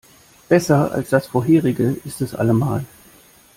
Besser als das vorherige ist es allemal.